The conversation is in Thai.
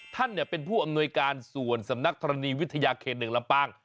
ท่านเป็นผู้อำนวยการส่วนสำนักธรณีวิทยาเขต๑ลำปาง